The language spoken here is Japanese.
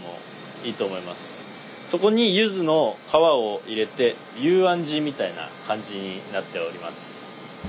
そこにゆずの皮を入れて幽庵地みたいな感じになっております。